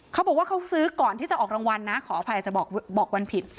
เขาบอกว่าเขาซื้อก่อนที่จะออกรางวัลนะขออภัยอาจจะบอกวันผิด